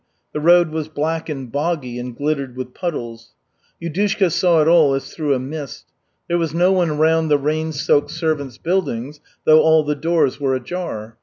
The road was black and boggy and glittered with puddles. Yudushka saw it all as through a mist. There was no one round the rain soaked servants' buildings, though all the doors were ajar.